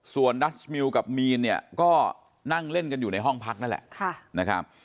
ส่วนดัชมิลกับมีนเนี่ยก็นั่งเล่นกันอยู่ในห้องพักนั่นแหละนะครับ